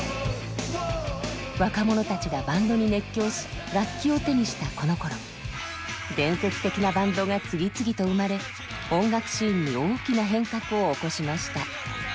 若者たちがバンドに熱狂し楽器を手にしたこのころ伝説的なバンドが次々と生まれ音楽シーンに大きな変革を起こしました。